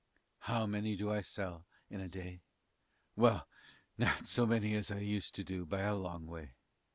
How many do I sell in a day? Well, not so many as I used to do, by a long way.